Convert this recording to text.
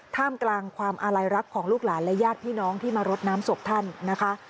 ท่ามกลางความอาลัยรักของลูกหลานและญาติพี่น้องที่มารดน้ำศพท่านนะคะ